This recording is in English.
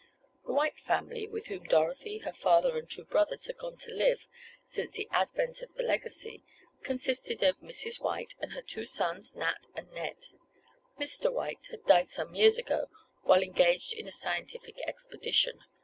The White family, with whom Dorothy, her father and two brothers had gone to live, since the advent of the legacy, consisted of Mrs. White and her two sons, Nat and Ned. Mr. White had died some years ago, while engaged in a scientific expedition.